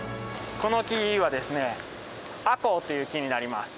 この木はですねアコウという木になります。